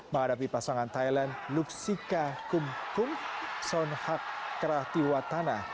menghadapi pasangan thailand luxika kumkum sonhat kratiwatana